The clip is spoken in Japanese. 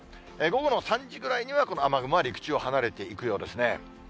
午後の３時ぐらいにはこの雨雲は陸地を離れていくようですね。